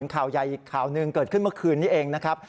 ข่าวใหญ่อีกข่าวหนึ่งเกิดขึ้นเมื่อคืนนี้เองนะครับ